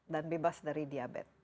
dan bebas dari diabetes